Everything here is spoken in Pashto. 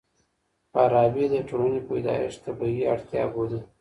فارابي د ټولني پيدايښت طبيعي اړتيا بولي.